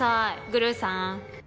グルーさん。